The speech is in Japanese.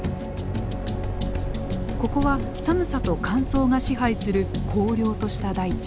ここは寒さと乾燥が支配する荒涼とした大地。